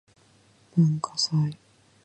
文化祭